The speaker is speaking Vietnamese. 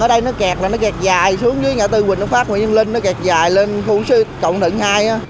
ở đây nó kẹt là nó kẹt dài xuống dưới ngã tư quỳnh đông pháp nguyễn văn linh nó kẹt dài lên khu sư trọng thịnh hai